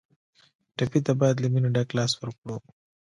ټپي ته باید له مینې ډک لاس ورکړو.